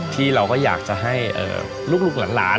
ที่เราก็อยากจะให้ลูกหลาน